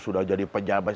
sudah jadi penjabat